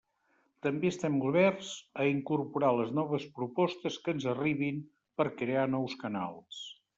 També estem oberts a incorporar les noves propostes que ens arribin per crear nous canals.